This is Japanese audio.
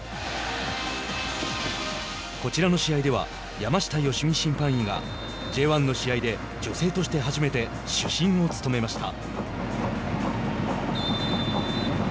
こちらの試合では山下良美審判員がＪ１の試合で女性として初めて主審を務めました。